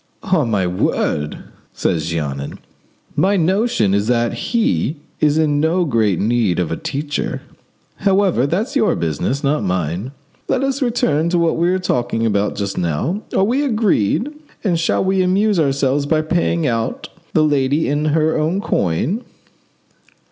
"On my word," said Jeannin, "my notion is that he is in no great need of a teacher; however, that's your business, not mine. Let us return to what we were talking about just now. Are we agreed; and shall we amuse ourselves by paying out the lady in, her own coin?"